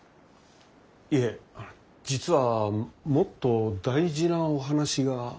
いえ実はもっと大事なお話が。